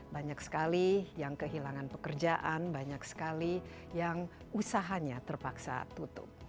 banyak sekali yang kehilangan pekerjaan banyak sekali yang usahanya terpaksa tutup